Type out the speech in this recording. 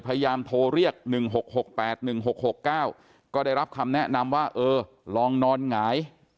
พยายามโทรเรียกหนึ่งหกหกแปดหนึ่งหกหกเก้าก็ได้รับคำแนะนำว่าเออลองนอนหงาย